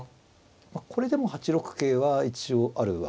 これでも８六桂は一応あるわけですね。